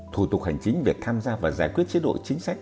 thủ tục hành chính về tham gia và giải quyết chế độ chính sách